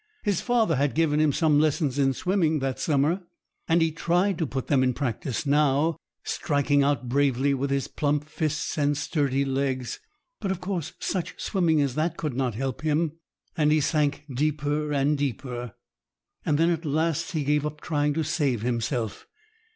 His father had given him some lessons in swimming that summer, and he tried to put them in practice now, striking out bravely with his plump fists and sturdy legs; but of course such swimming as that could not help him, and he sank deeper and deeper. Then at last he gave up trying to save himself.